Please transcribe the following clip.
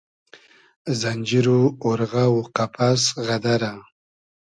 زئنجیر و اۉرغۂ و قئپئس غئدئرۂ